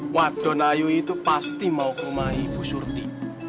wadon ayu itu pasti mau ke rumah ibu surti